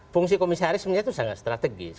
fungsi komisaris sebenarnya itu sangat strategis